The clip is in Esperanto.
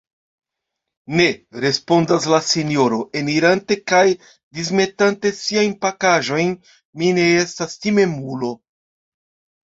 Ne, respondas la sinjoro, enirante kaj dismetante siajn pakaĵojn, mi ne estas timemulo!